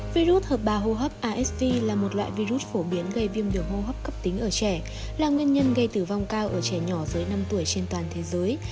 virus hợp bà hô hấp asv là một loại virus phổ biến gây viêm đường hô hấp cấp tính ở trẻ là nguyên nhân gây tử vong cao ở trẻ nhỏ dưới năm tuổi trên toàn thế giới